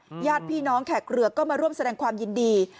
ญาติพี่น้องแขกเรือก็มาร่วมแสดงความยินดี